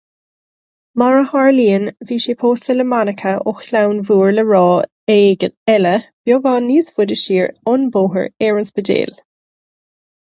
Mar a tharlaíonn, bhí sé pósta le Monica ó chlann mhór le rá eile beagán níos faide siar an bóthar ar an Spidéal.